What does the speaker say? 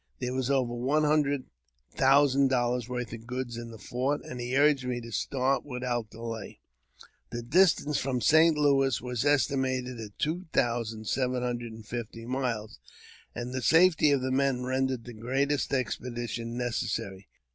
There was over one hundred thousand dollars' worth of goods in the fort, and he urged me to start without delay. The distance from St. Louis was estimated at two thousand seven i| JAMES P. BECKWOUBTH. ■ 327 hundred and fifty miles, and the safety of the men rendered the greatest expedition necessary.